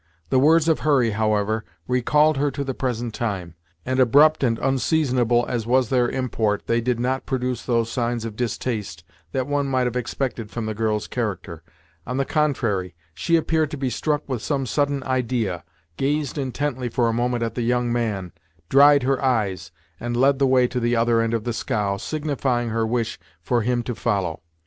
The words of Hurry, however, recalled her to the present time, and abrupt and unseasonable as was their import, they did not produce those signs of distaste that one might have expected from the girl's character. On the contrary, she appeared to be struck with some sudden idea, gazed intently for a moment at the young man, dried her eyes, and led the way to the other end of the scow, signifying her wish for him to follow.